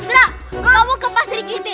idra kamu ke pasir giti